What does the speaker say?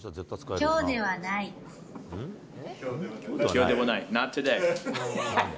きょうではない。